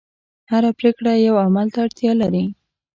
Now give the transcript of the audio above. هره پرېکړه یوه عمل ته اړتیا لري.